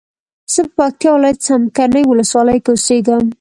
زه په پکتیا ولایت څمکنیو ولسوالۍ کی اوسیږم